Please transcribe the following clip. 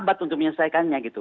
pabat untuk menyelesaikannya gitu